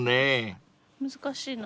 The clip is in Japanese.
難しいな。